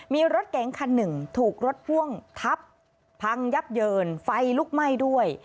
มีรถเก๋งคันหนึ่งถูกรถพ่วงทับพังยับเยินไฟลุกไหม้ด้วย